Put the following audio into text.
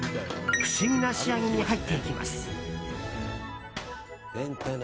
不思議な仕上げに入っていきます。